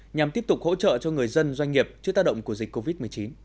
nhằm tiếp tục hỗ trợ cho người dân doanh nghiệp trước tác động của dịch covid một mươi chín